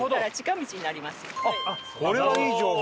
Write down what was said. これはいい情報！